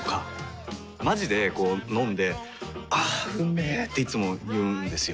まじでこう飲んで「あーうんめ」っていつも言うんですよ。